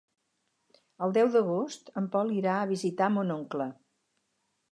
El deu d'agost en Pol irà a visitar mon oncle.